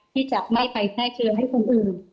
ที่จะไม่ค่อยอาจจะได้เชื้อให้คนอื่น